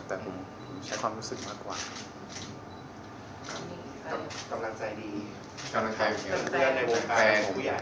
แต่ผมใช้ความรู้สึกมากกว่าครับ